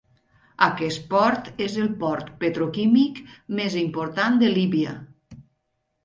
Aquest port és el port petroquímic més important de Líbia.